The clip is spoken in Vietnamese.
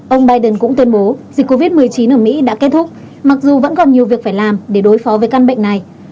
ông biden cũng tuyên bố dịch covid một mươi chín ở mỹ đã kết thúc mặc dù vẫn còn nhiều việc phải làm để đối phó với căn bệnh này